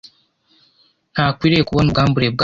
ntakwiriye kubona ubwambure bwawe.